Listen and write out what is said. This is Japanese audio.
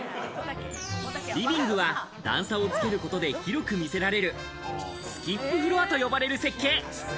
リビングは段差をつけることで、広く見せられるスキップフロアと呼ばれる設計。